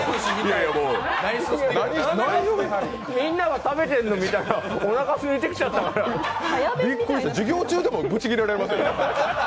みんなが食べてるの見たら、おなかすいて来ちゃったから。授業中でもブチ切れられますよ。